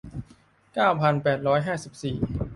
เก้าพันแปดร้อยห้าสิบสี่